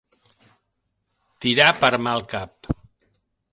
Tirar per mal cap.